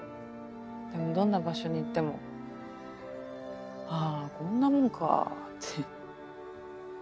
でもどんな場所に行ってもああこんなもんかって。